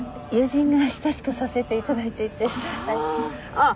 あっ